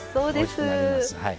おいしくなります。